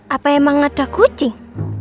apa emang ada kucing